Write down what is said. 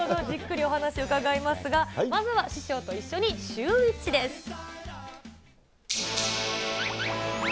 じっくりお話を伺いますが、まずは師匠と一緒にシューＷｈｉｃｈです。